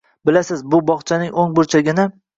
Bilasiz, shu bog’ning o’ng burchagini